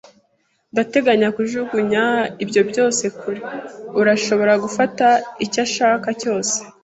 Ndateganya kujugunya ibyo byose kure. Urashobora gufata icyo ushaka cyose.